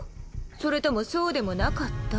それともそうでもなかった？